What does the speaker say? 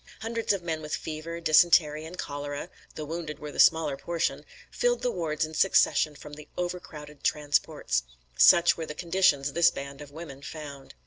Hundreds of men with fever, dysentery and cholera (the wounded were the smaller portion) filled the wards in succession from the overcrowded transports." Such were the conditions this band of women found.